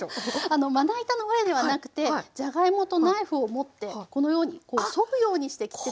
あのまな板の上ではなくてじゃがいもとナイフを持ってこのようにこうそぐようにして切ってくんですよね。